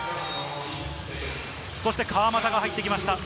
そして川真田が入ってきました。